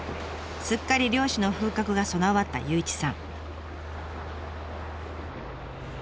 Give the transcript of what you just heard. すっかり漁師の風格が備わった祐一さん。